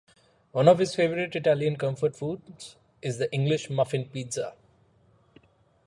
One of his favorite Italian comfort foods is the English muffin pizza.